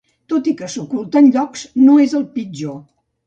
Tot i que s'oculten llocs, no és el pitjor.